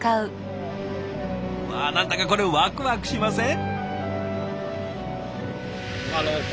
うわ何だかこれワクワクしません？